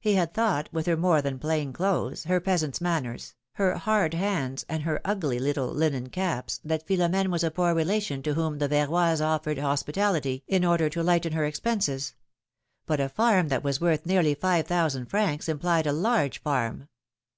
He had thought, with her more than plain clothes, her peasant's manners, her hard hands, and her ugly little linen caps, that Philoraene was a poor relation to whom the Verroys offered hospitality in order to lighten her 144 PHILOMi^NE^S MAHRIAGES. expenses ; but a farm that was worth nearly five thousand francs implied a large farm.